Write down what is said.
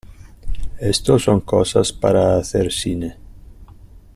esto son cosas para hacer cine.